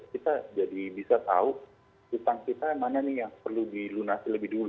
kita jadi bisa tahu hutang kita mana nih yang perlu dilunasi lebih dulu